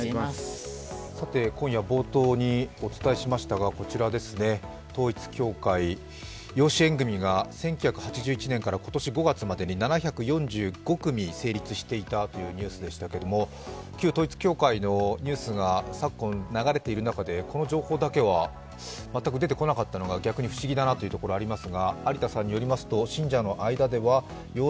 今夜冒頭にお伝えしましたがこちら統一教会、養子縁組が１９８１年から今年５月までに７４５組成立していたというニュースでしたけれども、旧統一教会のニュースが昨今流れている中でこの情報だけは全く出てこなかったのが逆に不思議だなというところがあります。